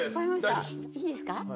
いいですか？